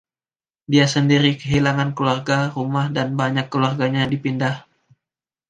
Dia sendiri kehilangan keluarga, rumah, dan banyak keluarganya dipindah.